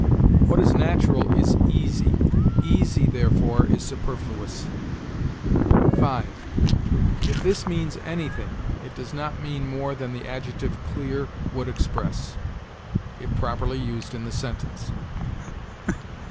4. What is natural is easy; easy, therefore, is superfluous. 5. If this means anything, it does not mean more than the adjective clear would express, if properly used in the sentence.